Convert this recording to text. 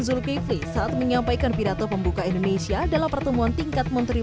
zulkifli saat menyampaikan pidato pembuka indonesia dalam pertemuan tingkat menteri